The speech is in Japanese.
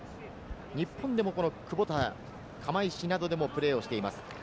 日本でもクボタ、釜石などでもプレーをしています。